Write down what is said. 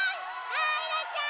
あいらちゃん！